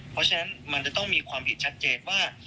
เพราะฉะนั้นมันจะต้องมีความผิดชัดเจนว่า